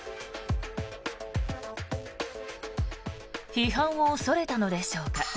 批判を恐れたのでしょうか